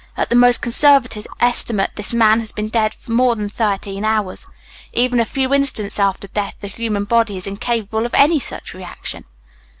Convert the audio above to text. At the most conservative estimate this man has been dead more than thirteen hours. Even a few instants after death the human body is incapable of any such reaction."